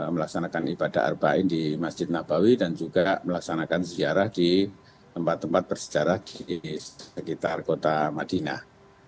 melaksanakan ibadah ⁇ arbain ⁇ di masjid nabawi dan juga melaksanakan ziarah di tempat tempat bersejarah di sekitar kota madinah